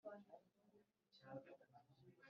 Kubera umubyeyi umwana utabyaye ku buryo